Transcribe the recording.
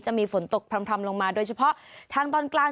จะมีฝนตกพร่ำลงมาโดยเฉพาะทางตอนกลาง